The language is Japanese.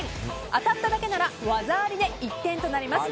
当たっただけなら技ありで１点となります。